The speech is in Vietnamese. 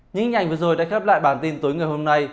những hình ảnh vừa rồi đã khép lại bản tin tối ngày hôm nay